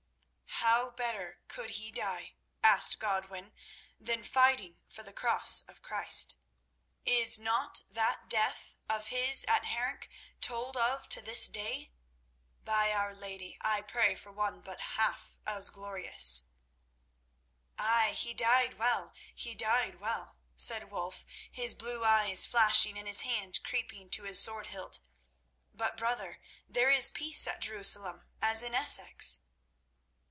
"How better could he die," asked Godwin, "than fighting for the Cross of Christ? Is not that death of his at Harenc told of to this day? By our Lady, I pray for one but half as glorious!" "Aye, he died well—he died well," said Wulf, his blue eyes flashing and his hand creeping to his sword hilt. "But, brother, there is peace at Jerusalem, as in Essex."